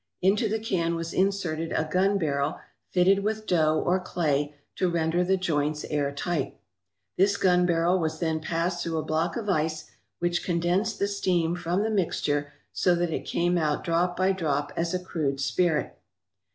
Into the can was inserted a gun barrel fitted with dough or clay to render the joints airtight. This gun barrel was then passed through a block of ice, which condensed the steam from the mixture so that it came out drop by drop as a crude spirit.